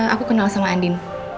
aku kenal sama andin